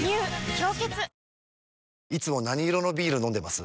「氷結」いつも何色のビール飲んでます？